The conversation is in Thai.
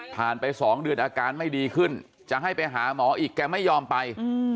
ไป๒เดือนอาการไม่ดีขึ้นจะให้ไปหาหมออีกแกไม่ยอมไป